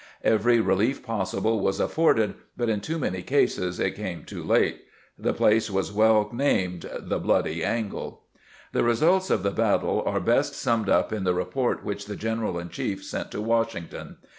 Every relief possible was afforded, but in too many cases it came too late. The place was well named the " Bloody Angle." The results of the battle are best summed up in the report which the general in chief sent to Washington.